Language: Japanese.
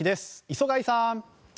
磯貝さん。